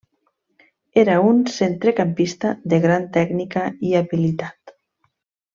Era un centrecampista de gran tècnica i habilitat.